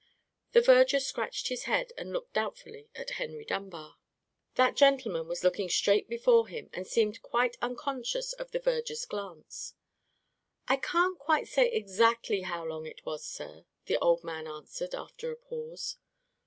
The verger scratched his head, and looked doubtfully at Henry Dunbar. That gentleman was looking straight before him, and seemed quite unconscious of the verger's glance. "I can't quite exactly say how long it was, sir," the old man answered, after a pause.